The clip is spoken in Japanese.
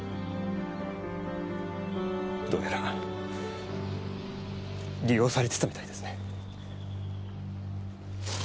どうやら利用されてたみたいですね。